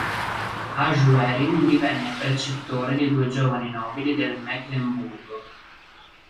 A Schwerin divenne precettore di due giovani nobili del Meclemburgo.